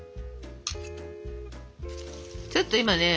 ちょっと今ね